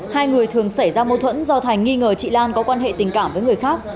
hai người thường xảy ra mâu thuẫn do thành nghi ngờ chị lan có quan hệ tình cảm với người khác